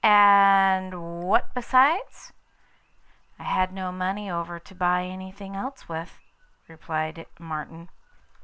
'And what besides?' 'I had no money over to buy anything else with,' replied Martin.